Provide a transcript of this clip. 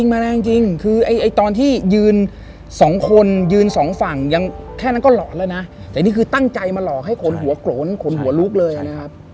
มาแรงจริงคือไอ้ตอนที่ยืนสองคนยืนสองฝั่งยังแค่นั้นก็หลอนแล้วนะแต่นี่คือตั้งใจมาหลอกให้คนหัวโกรนคนหัวลุกเลยนะครับ